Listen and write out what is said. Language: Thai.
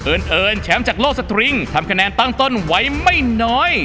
เอิญแชมป์จากโลกสตริงทำคะแนนตั้งต้นไว้ไม่น้อย